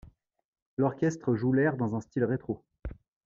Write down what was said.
L'orchestre joue l'air dans un style rétro.